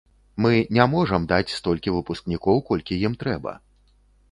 Мы не можам даць столькі выпускнікоў, колькі ім трэба.